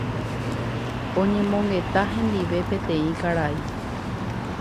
oñemongeta hendive peteĩ karai